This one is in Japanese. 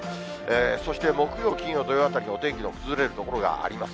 そして木曜、金曜、土曜あたりにお天気の崩れる所があります。